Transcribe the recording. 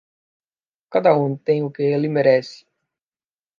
Cada um tem o que ele merece.